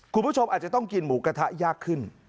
คุณผู้ชมอาจจะต้องกินหมูกระทะยากขึ้น